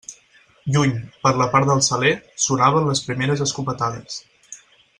Lluny, per la part del Saler, sonaven les primeres escopetades.